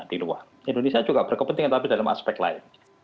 di luar indonesia juga berkepentingan tapi dalam aspek lain